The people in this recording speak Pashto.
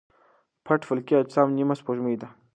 پټ فلکي اجسام نیمه سپوږمۍ دي.